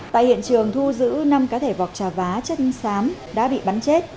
tại hiện trường thu giữ năm cá thể vọc trào vá chất xám đã bị bắn chết